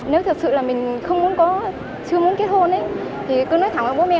nếu thật sự là mình không muốn có chưa muốn kết hôn thì cứ nói thẳng với bố mẹ